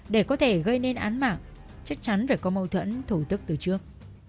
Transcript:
để có thể gây nên án mạng chắc chắn phải có mâu thuẫn thủ tức từ trước